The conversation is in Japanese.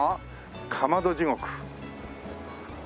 「かまど地獄」。